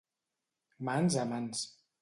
Mans a mans.